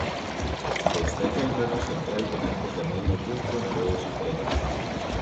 Destaca el patio central con arcos de medio punto en todos sus frentes.